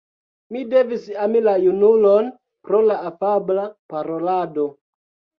Mi devis ami la junulon pro la afabla parolado.